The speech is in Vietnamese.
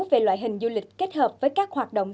về loại hình du lịch kết hợp với các hoạt động